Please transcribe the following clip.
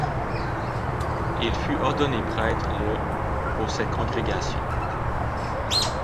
Il fut ordonné prêtre le pour cette congrégation.